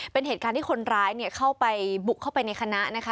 เป็นเหตุการณ์ที่คนร้ายเข้าไปบุกเข้าไปในคณะนะคะ